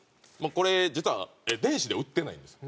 これ実は電子では売ってないんですね。